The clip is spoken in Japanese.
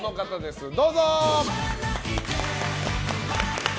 どうぞ！